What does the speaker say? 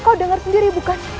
kau dengar sendiri bukan